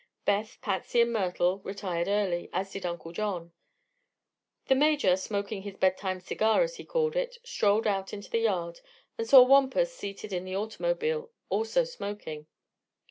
Beth, Patsy and Myrtle retired early, as did Uncle John. The Major, smoking his "bedtime cigar," as he called it, strolled out into the yard and saw Wampus seated in the automobile, also smoking.